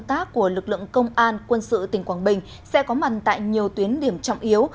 tác của lực lượng công an quân sự tỉnh quảng bình sẽ có mặt tại nhiều tuyến điểm trọng yếu